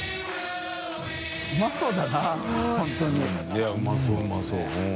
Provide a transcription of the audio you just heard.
いうまそううまそううん。